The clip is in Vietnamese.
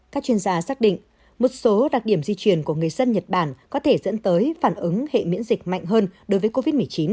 các chuyên gia xác định một số đặc điểm di chuyển của người dân nhật bản có thể dẫn tới phản ứng hệ miễn dịch mạnh hơn đối với covid một mươi chín